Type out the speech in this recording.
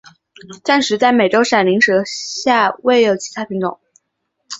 暂时在美洲闪鳞蛇下未有其它亚种。